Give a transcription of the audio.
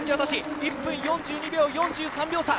１分４２秒、４３秒差。